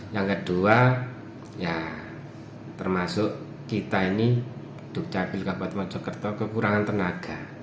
yang kedua ya termasuk kita ini dukcapil kabupaten mojokerto kekurangan tenaga